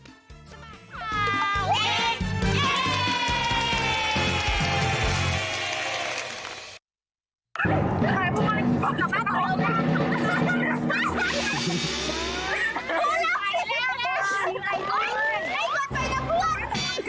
ให้ก่อนไปนะพวก